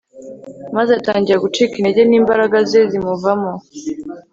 maze atangira gucika intege n'imbaraga ze zimuvamo